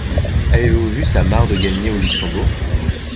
Avez-vous vu sa Mare de Gagny, au Luxembourg?